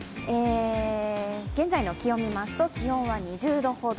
現在の気温見ますと気温は２０度ほど。